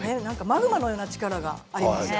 マグマのような力がありますね。